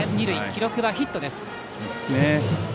記録はヒットです。